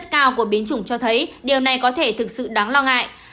chủng cho thấy điều này có thể thực sự đáng lo ngại